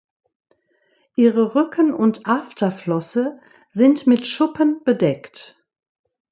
Ihre Rücken- und Afterflosse sind mit Schuppen bedeckt.